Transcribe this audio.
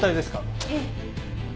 ええ。